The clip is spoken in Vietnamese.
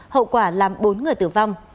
hậu quả làm bốn người tử vong